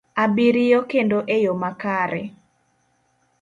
abiriyo kendo e yo makare.